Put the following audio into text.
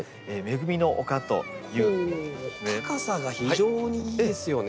高さが非常にいいですよね。